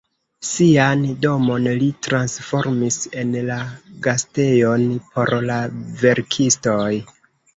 Sian domon li transformis en la gastejon por la verkistoj.